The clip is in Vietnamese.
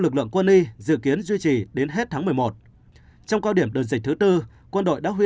lực lượng quân y dự kiến duy trì đến hết tháng một mươi một trong cao điểm đợt dịch thứ tư quân đội đã huy